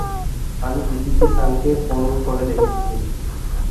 আমি ইজিচি-সানকে ফোন করে দেখছি।